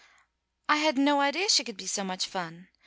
I had no idea she could be so much fun.